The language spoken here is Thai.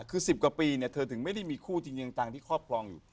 คือ๑๐กว่าปีเนี่ยเธอถึงไม่ได้มีคู่จริงจังที่ครอบครองอยู่